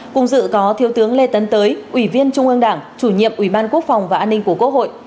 cùng dự có thiếu tướng lê tấn tới ủy viên trung ương đảng chủ nhiệm ủy ban quốc phòng và an ninh của quốc hội